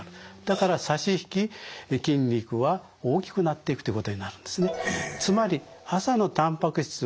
だから差し引き筋肉は大きくなっていくということになるんですね。